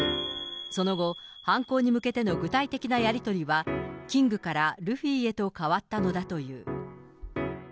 その後、犯行に向けての具体的なやり取りはキングからルフィへと代わったのだという。